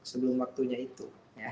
sebelum waktunya itu